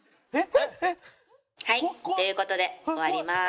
はいということでおわりまーす。